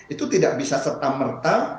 itu tidak bisa serta merta